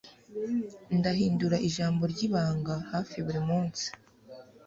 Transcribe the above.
Ndahindura ijambo ryibanga hafi buri munsi